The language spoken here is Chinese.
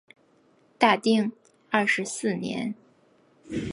大定二十四年。